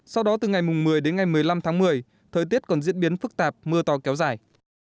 sau đó từ ngày một mươi đến ngày một mươi năm tháng một mươi thời tiết còn diễn biến phức tạp mưa to kéo dài